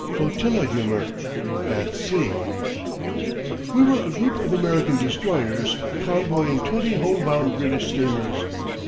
FLOTILLA HUMOR AT SEA We were a group of American destroyers convoying twenty home bound British steamers.